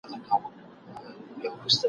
عاقبت به یې مغزی پکښي ماتیږي `